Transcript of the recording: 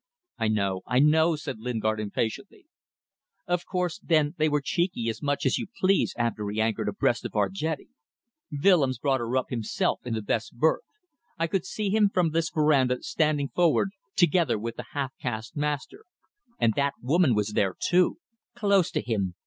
"I know, I know," said Lingard, impatiently. "Of course, then, they were cheeky as much as you please after he anchored abreast of our jetty. Willems brought her up himself in the best berth. I could see him from this verandah standing forward, together with the half caste master. And that woman was there too. Close to him.